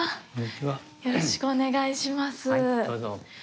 よろしくお願いします。